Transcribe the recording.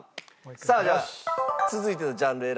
さあじゃあ続いてのジャンル選んでください。